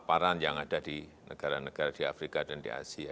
paparan yang ada di negara negara di afrika dan di asia